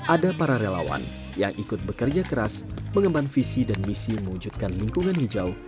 ada para relawan yang ikut bekerja keras mengemban visi dan misi mewujudkan lingkungan hijau